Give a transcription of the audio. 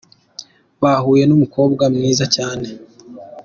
Bahuye n'umukobwa mwiza cyane.